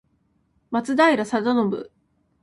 松平定信